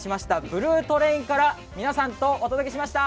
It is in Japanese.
ブルートレインから皆さんとお届けしました。